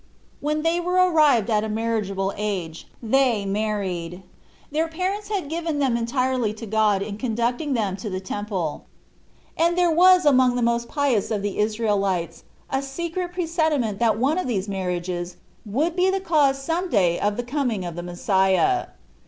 When they were arrived at a marriageable age they mar ried. Their parents had given them en tirely to God in conducting them to the Temple, and there was among the most pious of the Israelites a secret presenti ment that one of these marriages would be the cause some day of the coming of the Messiah.